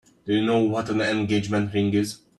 Do you know what an engagement ring is?